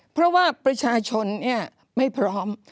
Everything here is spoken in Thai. เพราะว่าประชาชนไม่พร้อม